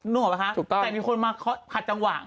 นึกออกไหมคะแต่มีคนมาคัดจังหวะ